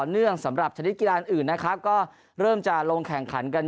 เนื่องสำหรับชนิดกีฬาอื่นนะครับก็เริ่มจะลงแข่งขันกัน